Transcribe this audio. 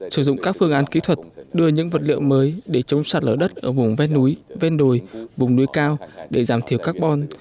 sử dụng các phương án kỹ thuật đưa những vật liệu mới để chống sạt lở đất ở vùng ven núi ven đồi vùng núi cao để giảm thiểu carbon